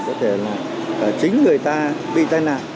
có thể là chính người ta bị tai nạn